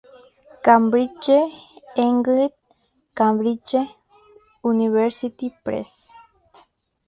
Cambridge, England: Cambridge University Press.